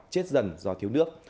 chết dần do thiếu nước